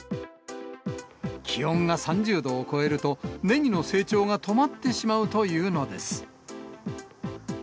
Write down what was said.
気温が３０度を超えると、ネギの成長が止まってしまうというのです。